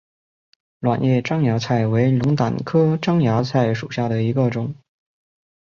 卵叶獐牙菜为龙胆科獐牙菜属下的一个种。